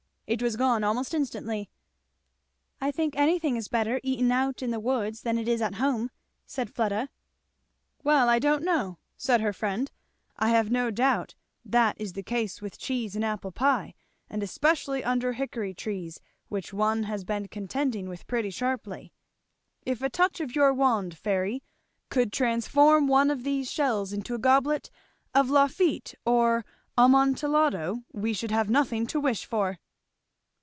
It was gone almost instantly. "I think anything is better eaten out in the woods than it is at home," said Fleda. "Well I don't know," said her friend. "I have no doubt that is the case with cheese and apple pie, and especially under hickory trees which one has been contending with pretty sharply. If a touch of your wand, Fairy, could transform one of these shells into a goblet of Lafitte or Amontillado we should have nothing to wish for."